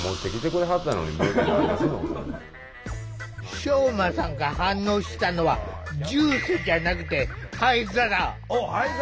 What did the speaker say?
ショウマさんが反応したのはジュースじゃなくてあっ灰皿？